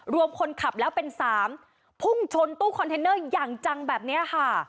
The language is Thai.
รวมคนขับแล้วเป็น๓พุ่งชนตู้คอนเทนเนอร์อย่างจังแบบนี้ค่ะ